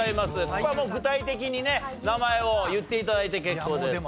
ここはもう具体的にね名前を言って頂いて結構です。